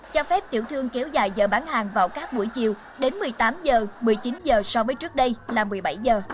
cho phép tiểu thương kéo dài giờ bán hàng vào các buổi chiều đến một mươi tám giờ một mươi chín giờ so với trước đây là một mươi bảy giờ